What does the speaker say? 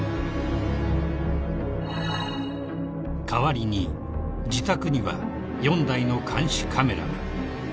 ［代わりに自宅には４台の監視カメラが］